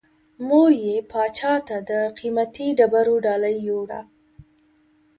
مور یې پاچا ته د قیمتي ډبرو ډالۍ یووړه.